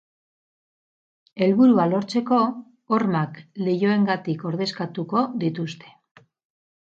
Helburua lortzeko, hormak leihoengatik ordezkatuko dituzte.